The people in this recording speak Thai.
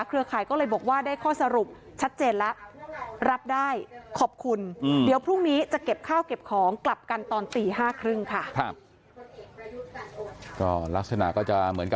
เครือข่ายก็เลยบอกว่าได้ข้อสรุปชัดเจนแล้ว